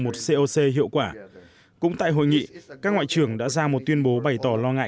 một coc hiệu quả cũng tại hội nghị các ngoại trưởng đã ra một tuyên bố bày tỏ lo ngại